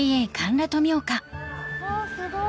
わぁすごい！